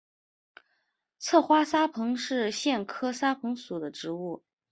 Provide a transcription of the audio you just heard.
侧花沙蓬是苋科沙蓬属的植物。